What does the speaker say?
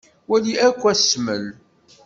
Wali akk asmel.